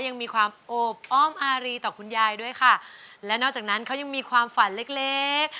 ยังมีความโอบอ้อมอารีต่อคุณยายด้วยค่ะและนอกจากนั้นเขายังมีความฝันเล็กเล็ก